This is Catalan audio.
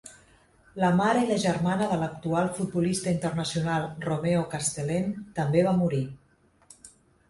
La mare i la germana de l'actual futbolista internacional Romeo Castelen també van morir.